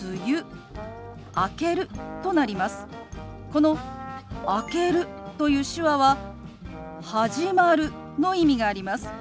この「明ける」という手話は「始まる」の意味があります。